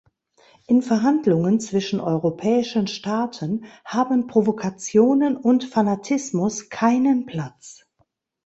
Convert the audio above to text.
In Verhandlungen zwischen europäischen Staaten haben Provokationen und Fanatismus keinen Platz.